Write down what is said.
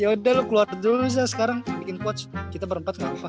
yaudah lu keluar dulu zak sekarang bikin coach kita berempat gak apa